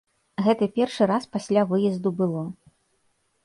Гэта першы раз пасля выезду было.